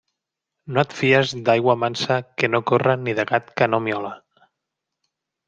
No et fies d'aigua mansa que no corre ni de gat que no miola.